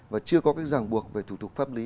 và chưa có cái ràng buộc về thủ tục pháp lý